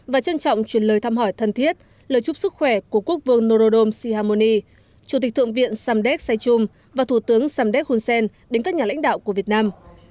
và trân trọng truyền lời thăm hỏi thân thiết lời chúc sức khỏe của quốc vương norodom sihamoni chủ tịch thượng viện samdek saychum và thủ tướng samdek hun sen đến các nhà lãnh đạo của việt nam